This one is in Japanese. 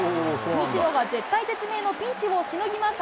西野は絶体絶命のピンチをしのぎます。